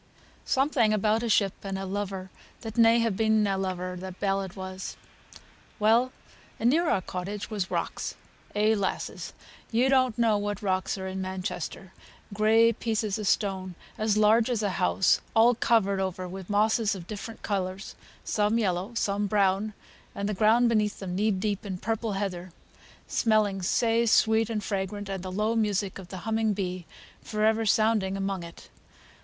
Something about a ship and a lover that should hae been na lover, the ballad was. Well, and near our cottage were rocks. Eh, lasses! ye don't know what rocks are in Manchester! Gray pieces o' stone as large as a house, all covered over wi' moss of different colours, some yellow, some brown; and the ground beneath them knee deep in purple heather, smelling sae sweet and fragrant, and the low music of the humming bee for ever sounding among it.